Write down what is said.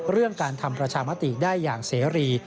เรื่องการทำประชามติได้อย่างเสรี